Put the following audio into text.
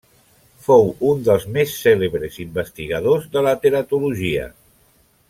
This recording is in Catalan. Fou un dels més cèlebres investigadors de la teratologia.